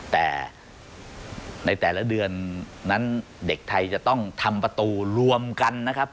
แต่ในแต่ละเดือนนั้นเด็กไทยจะต้องทำประตูรวมกันนะครับ